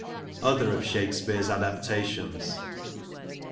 Other of Shakespeare's adaptations.